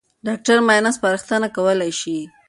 ډاکټر معاینه سپارښتنه کولای شي.